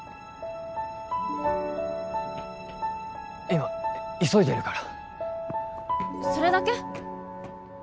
今急いでるからそれだけ？